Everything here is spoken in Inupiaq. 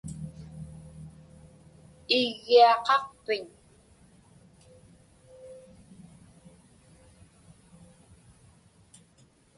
Iggiaqaqpiñ?